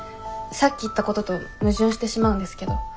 さっき言ったことと矛盾してしまうんですけど。